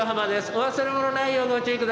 お忘れ物ないようご注意下さい。